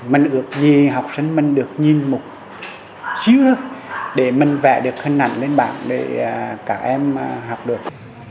mình ước gì học sinh mình được nhìn một chút hơn để mình vẽ được hình ảnh lên bảng để cả em học được